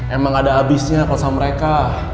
emang ada habisnya kalau sama mereka